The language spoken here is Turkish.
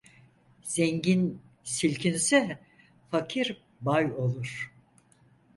Zengin silkinse fakir bay olur.